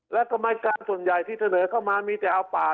และกรรมการส่วนใหญ่ที่เสนอเข้ามามีแต่เอาป่า